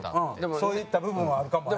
そういった部分はあるかもね。